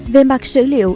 về mặt sử lý